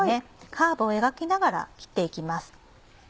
カーブを描きながら切って行きます。